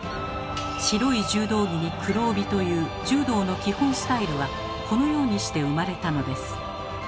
白い柔道着に黒帯という柔道の基本スタイルはこのようにして生まれたのです。